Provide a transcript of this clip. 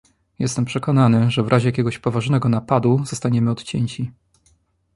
"Jestem przekonany, że w razie jakiegoś poważnego napadu, zostaniemy odcięci."